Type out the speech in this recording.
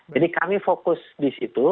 jadi kami fokus di situ